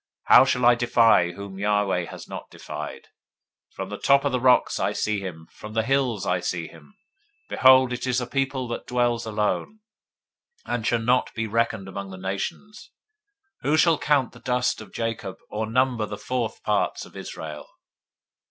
How shall I defy, whom Yahweh has not defied? 023:009 For from the top of the rocks I see him, From the hills I see him: behold, it is a people that dwells alone, And shall not be reckoned among the nations. 023:010 Who can count the dust of Jacob, Or number the fourth part of Israel?